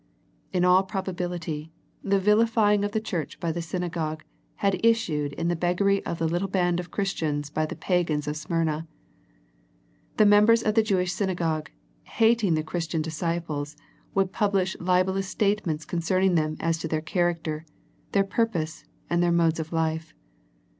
In all probability the vilifying of the church by the synagogue had issued in the beggary of the little band of Christians by the pagans of Smyrna. The members of the Jewish synagogue, hating the Christian dis ciples would publish libellous statements con cerning them as to their character, their pur pose, and their modes of life.